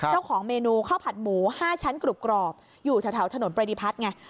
เจ้าของเมนูข้าวผัดหมู๕ชั้นกรุบกรอบอยู่แถวถนนประดิพัฒน์ไง